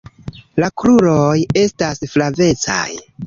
La kruroj estas flavecaj.